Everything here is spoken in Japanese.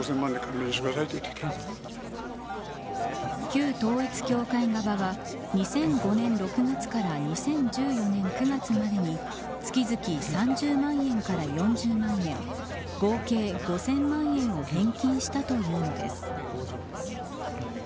旧統一教会側は２００５年６月から２０１４年９月までに月々３０万円から４０万円合計５０００万円を返金したというのです